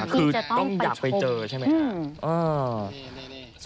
คือต้องอยากไปเจอใช่ไหมครับ